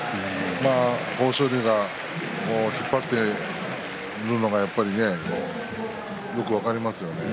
豊昇龍が引っ張っているのがやっぱりよく分かりますよね。